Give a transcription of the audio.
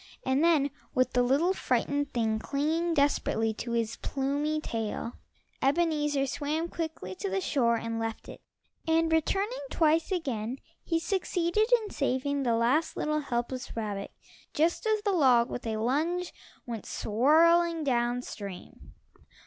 And then with the little, frightened thing clinging desperately to his plumy tail, Ebenezer swam quickly to the shore and left it and returning twice again, he succeeded in saving the last little helpless rabbit just as the log with a lunge went swirling down stream.